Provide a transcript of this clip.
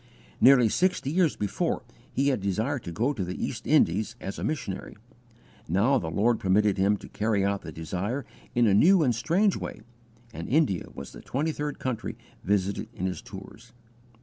Nearly sixty years before he had desired to go to the East Indies as a missionary; now the Lord permitted him to carry out the desire in a new and strange way, and India was the twenty third country visited in his tours.